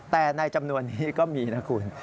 แต่ในจำนวนนี้ก็มีนะคุณ